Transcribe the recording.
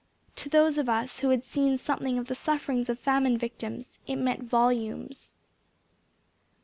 To those of us who had seen something of the sufferings of famine victims, it meant volumes.